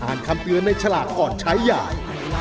คำเตือนในฉลากก่อนใช้ใหญ่